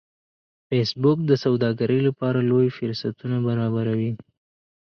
فېسبوک د سوداګرۍ لپاره لوی فرصتونه برابروي